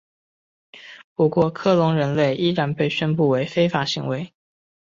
不过克隆人类仍然被宣布为非法行为。